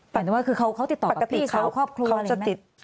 หมายถึงว่าคือเขาติดต่อกับพี่สาวครอบครัวอะไรไหม